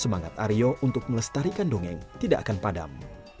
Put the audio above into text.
semangat aryo untuk melestarikan dongeng tidak akan padam